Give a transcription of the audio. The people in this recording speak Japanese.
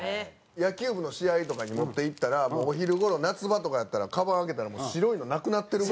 野球部の試合とかに持って行ったらもうお昼頃夏場とかやったらカバン開けたらもう白いのなくなってるぐらい。